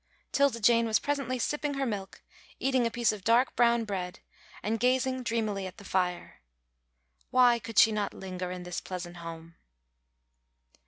'Tilda Jane was presently sipping her milk, eating a piece of dark brown bread, and gazing dreamily at the fire. Why could she not linger in this pleasant home.